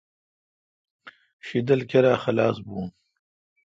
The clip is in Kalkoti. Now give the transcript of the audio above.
شدل کیرا خلاس بھون۔